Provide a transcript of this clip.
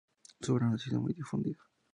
Su obra no ha sido muy difundida.